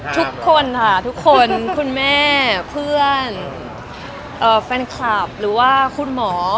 ทุกคนค่ะทุกคนคุณแม่เพื่อนแฟนคลับหรือว่าคุณหมอ